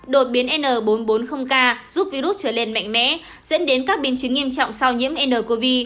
đột biến n bốn trăm bốn mươi k giúp virus trở lên mạnh mẽ dẫn đến các biến chứng nghiêm trọng sau nhiễm ncov